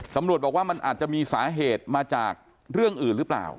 ตำรวจบอกว่ามันอาจจะมีสาเหตุมาจากเรื่องอื่นหรือเปล่า